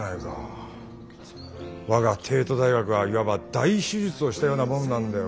我が帝都大学はいわば大手術をしたようなもんなんだよ。